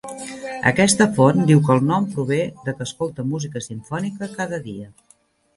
Aquesta font diu que el nom prové de que escolta música simfònica cada dia.